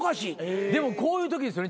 でもこういうときですよね